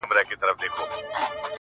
او ښه په ډاگه درته وايمه چي’